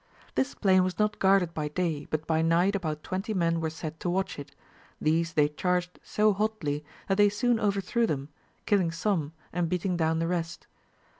This plain was not guarded by day, but by night about twenty men were set to watch it ; these they charged so hotly, that they soon overthrew them, killing some, and beating down the rest.